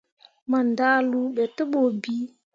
Mo ndahluu be te bu bii.